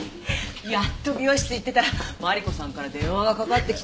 やっと美容室行ってたらマリコさんから電話がかかってきて。